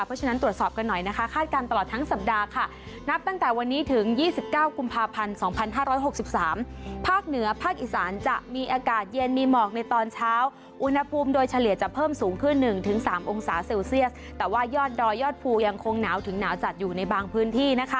เพราะฉะนั้นตรวจสอบกันหน่อยนะคะคาดการณ์ตลอดทั้งสัปดาห์ค่ะนับตั้งแต่วันนี้ถึง๒๙กุมภาพันธ์๒๕๖๓